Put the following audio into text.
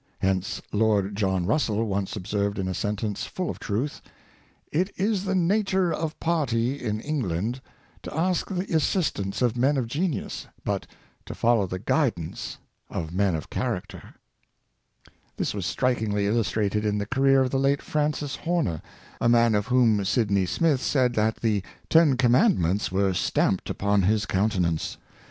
Hence Lord John Russell once ob served in a sentence full of truth, ''It is the nature of party in England to ask the assistance of men of genius, but to follow the guidance of men of character," This was strikingly illustrated in the career of the late Francis Horner — a man of whom Sidney Smith said that the Ten Commandments were stamped upon his countenance.